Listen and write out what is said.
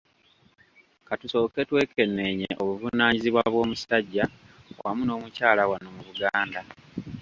Ka tusooke twekenneenye obuvunaanyizibwa bw’omusajja wamu n’omukyala wano mu Buganda